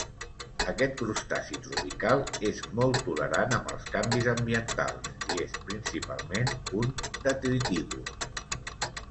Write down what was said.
Aquest crustaci tropical és molt tolerant amb els canvis ambientals i és principalment un detritívor.